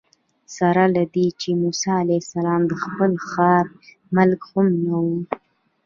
سره له دې چې موسی علیه السلام د خپل ښار ملک هم نه و.